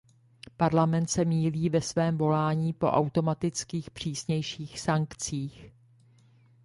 Parlament se mýlí ve svém volání po automatických, přísnějších sankcích.